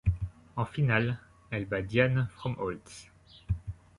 En finale, elle bat Dianne Fromholtz.